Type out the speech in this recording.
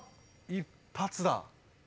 一発だ！